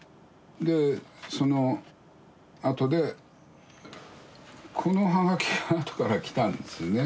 でそのあとでこの葉書があとから来たんですよね。